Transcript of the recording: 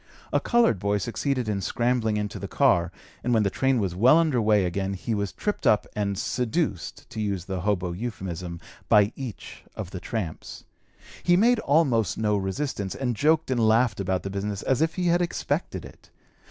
A colored boy succeeded in scrambling into the car, and when the train was well under way again he was tripped up and "seduced" (to use the hobo euphemism) by each of the tramps. He made almost no resistance, and joked and laughed about the business as if he had expected it.